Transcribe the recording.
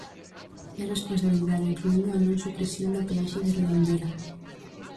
É responsabilidade, incluíndo a non-supresión da peaxe de Redondela.